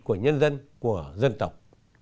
của nhân dân của dân tộc